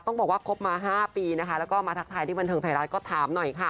ต้องบอกว่าครบมา๕ปีนะคะแล้วก็มาทักทายที่บันเทิงไทยรัฐก็ถามหน่อยค่ะ